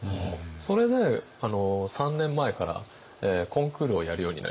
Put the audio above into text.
それで３年前からコンクールをやるようになりまして。